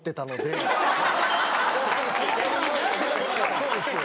そうですね。